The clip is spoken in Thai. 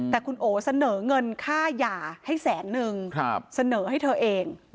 แต่คุณโอเสนอเงินค่าหย่าให้แสนนึงเสนอให้เธอเอง